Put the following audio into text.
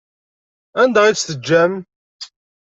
Anda ay tt-teǧǧam?